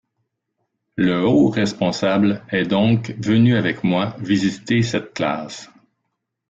Le haut responsable est donc venu avec moi visiter cette classe.